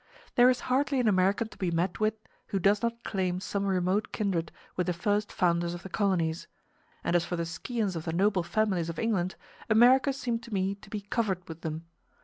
There is hardly an American to be met with who does not claim some remote kindred with the first founders of the colonies; and as for the scions of the noble families of England, America seemed to me to be covered with them.